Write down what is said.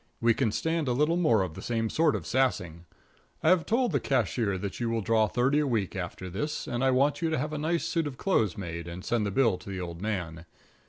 We can stand a little more of the same sort of sassing. I have told the cashier that you will draw thirty a week after this, and I want you to have a nice suit of clothes made and send the bill to the old man.